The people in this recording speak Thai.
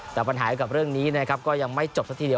แต่ปัญหากับเรื่องนี้นะครับก็ยังไม่จบสักทีเดียว